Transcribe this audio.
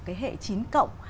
cái hệ chín cộng